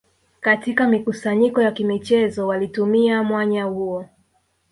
Katika mikusanyiko ya kimichezo walitumia mwanya huo